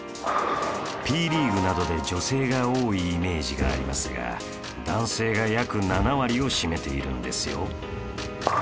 Ｐ★ＬＥＡＧＵＥ などで女性が多いイメージがありますが男性が約７割を占めているんですよ